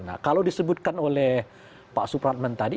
nah kalau disebutkan oleh pak supratman tadi